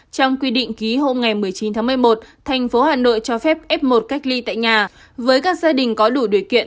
trong quy định ký hôm một mươi chín tháng một mươi một thành phố hà nội cho phép f một cách ly tại nhà với các gia đình có đủ điều kiện